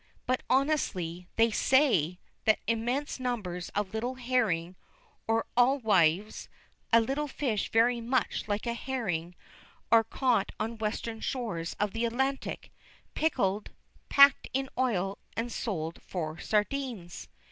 But honestly, they say that immense numbers of little herring, or alewives, a little fish very much like a herring, are caught on western shores of the Atlantic, pickled, packed in oil, and sold for sardines.